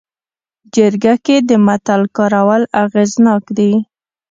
جرګه کې د متل کارول اغېزناک دي